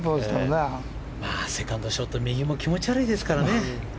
セカンドショット右も気持ち悪いですからね。